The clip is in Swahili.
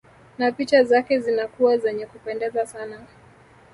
Na picha zake zinakuwa zenye kupendeza sana